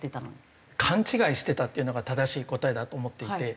「勘違いしてた」っていうのが正しい答えだと思っていて。